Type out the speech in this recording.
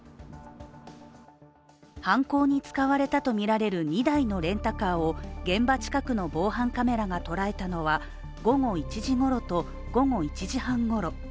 犯行に使われたとみられる２台のレンタカーを現場近くの防犯カメラが捉えたのは午後１時ごろと、午後１時半ごろ。